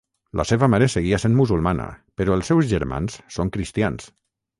La seva mare seguia sent musulmana, però els seus germans són cristians.